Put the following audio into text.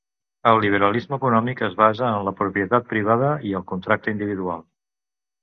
El liberalisme econòmic es basa en la propietat privada i el contracte individual.